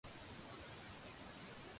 一億三千萬